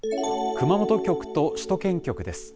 熊本局と首都圏局です。